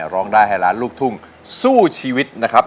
ร้องได้ให้ล้านลูกทุ่งสู้ชีวิตนะครับ